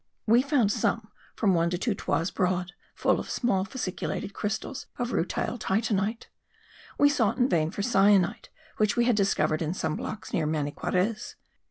We found some from one to two toises broad, full of small fasciculated crystals of rutile titanite. We sought in vain for cyanite, which we had discovered in some blocks near Maniquarez.